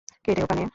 কে রে ওখানে?